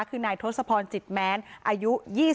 คือนายทศพรจิตแม้นอายุ๒๐